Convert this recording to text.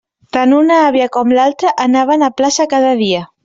Tant una àvia com l'altra anaven a plaça cada dia.